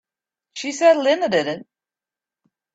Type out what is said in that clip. She said Linda did it!